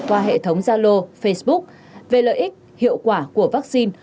qua hệ thống gia lô facebook về lợi ích hiệu quả của vaccine